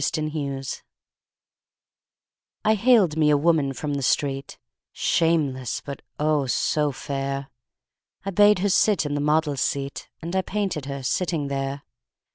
My Madonna I haled me a woman from the street, Shameless, but, oh, so fair! I bade her sit in the model's seat And I painted her sitting there.